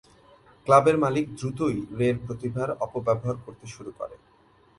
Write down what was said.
ক্লাবের মালিক দ্রুতই রে-র প্রতিভার অপব্যবহার করতে শুরু করে।